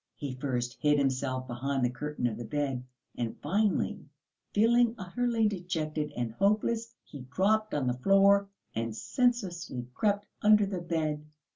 He first hid himself behind the curtain of the bed, and finally, feeling utterly dejected and hopeless, he dropped on the floor and senselessly crept under the bed.